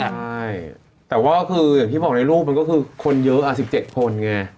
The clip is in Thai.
มีมากแต่คือถึงอย่างที่บอกในรูปมันก็คนเยอะ๑๗คนไง